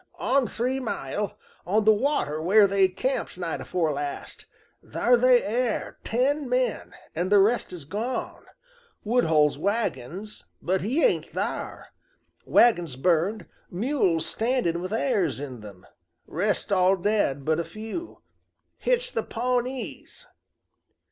"On three mile, on the water where they camped night afore last. Thar they air ten men, an' the rest's gone. Woodhull's wagons, but he ain't thar. Wagons burned, mules standing with arrers in them, rest all dead but a few. Hit's the Pawnees!"